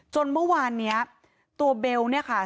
จนเมื่อวานเนี้ยตัวเบลเนี่ยค่ะ